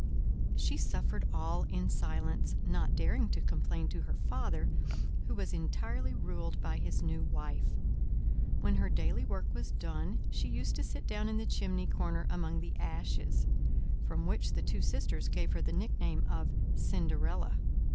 She suffered all in silence, not daring to complain to her father, who was entirely ruled by his new wife. When her daily work was done, she used to sit down in the chimney corner among the ashes; from which the two sisters gave her the nickname of Cinderella.